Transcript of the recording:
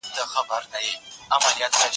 زه اوږده وخت د زده کړو تمرين کوم.